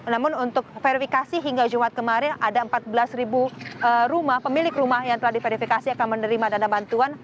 namun untuk verifikasi hingga jumat kemarin ada empat belas rumah pemilik rumah yang telah diverifikasi akan menerima dana bantuan